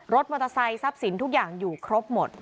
รถมอเตอร์ไซค์ทรัพย์สินทุกอย่างอยู่ครบหมด